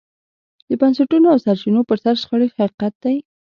د بنسټونو او سرچینو پر سر شخړې حقیقت دی.